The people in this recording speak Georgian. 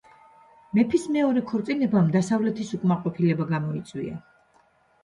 მეფის მეორე ქორწინებამ დასავლეთის უკმაყოფილება გამოიწვია.